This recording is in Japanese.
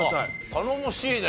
頼もしいね。